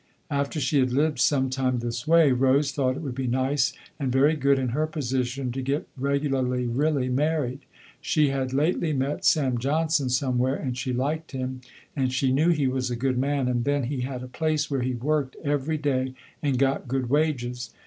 After she had lived some time this way, Rose thought it would be nice and very good in her position to get regularly really married. She had lately met Sam Johnson somewhere, and she liked him and she knew he was a good man, and then he had a place where he worked every day and got good wages.